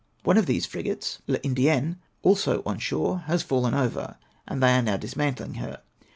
One of these frigates {Uladienne) also on shore, has fallen over, and they are now dismantling her.